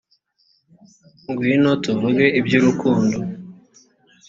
ngwino tuvuge iby urukundo